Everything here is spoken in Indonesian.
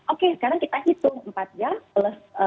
oke sekarang kita hitung empat jam plus